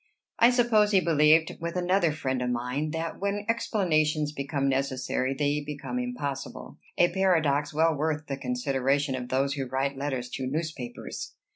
I suppose he believed, with another friend of mine, that "when explanations become necessary, they become impossible," a paradox well worth the consideration of those who write letters to newspapers.